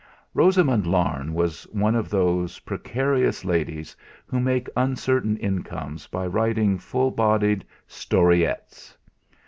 Rosamund Larne was one of those precarious ladies who make uncertain incomes by writing full bodied storyettes.